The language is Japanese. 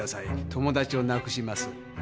友達をなくします。